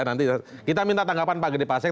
nanti kita minta tanggapan pak gede pasek